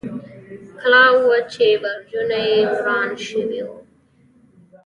کلا وه، چې برجونه یې وران شوي و.